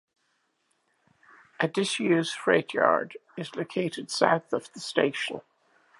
A disused freight yard is located south of the station.